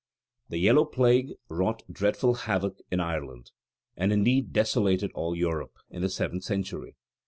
The yellow plague wrought dreadful havoc in Ireland and indeed desolated all Europe in the seventh century.